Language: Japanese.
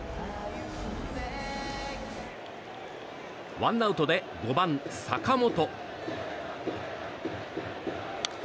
ワンアウトで５番、坂本。